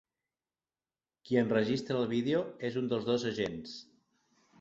Qui enregistra el vídeo és un dels dos agents.